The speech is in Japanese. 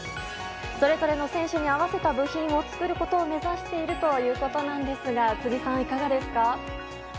それぞれの選手に合わせた部品を作ることを目指しているということですが辻さん、いかがですか。